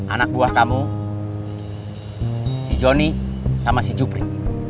anak buah kamu si joni sama si jupri